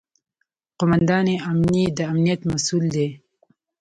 قوماندان امنیه د امنیت مسوول دی